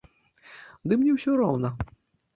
Ды мне ўсё роўна.